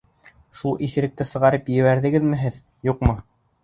Шул иҫеректе сығарып ебәрәһегеҙме һеҙ, юҡмы?